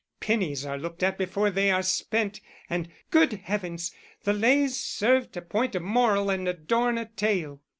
Pennies are looked at before they are spent; and, good heavens! the Leys serve to point a moral and adorn a tale.